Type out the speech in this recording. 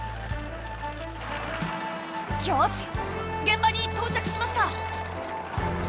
現場に到着しました！